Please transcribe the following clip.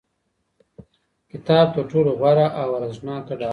کتاب تر ټولو غوره او ارزښتناکه ډالۍ ده.